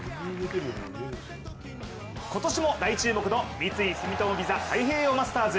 今年も大注目の三井住友ＶＩＳＡ太平洋マスターズ